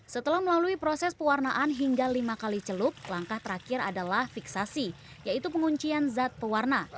setelah melalui proses pewarnaan hingga lima kali celup langkah terakhir adalah fiksasi yaitu penguncian zat pewarna